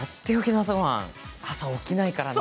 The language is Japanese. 朝、起きないからな。